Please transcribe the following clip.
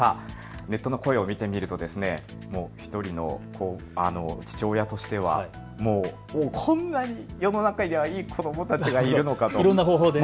ネットの声を見てみると１人の父親としてはもうこんなに世の中にはいい子どもたちがいるのかと。